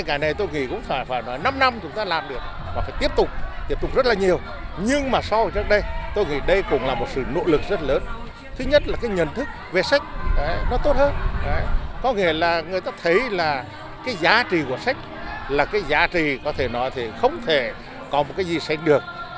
có nghĩa là người ta thấy là cái giá trị của sách là cái giá trị có thể nói thì không thể có một cái gì sẽ được